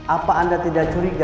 apa anda tidak curiga